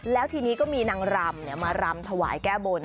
แล้วทีนี้ก็มีนางรำมารำถวายแก้บน